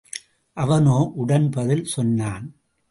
அவனோ உடனே பதில் சொன்னான்.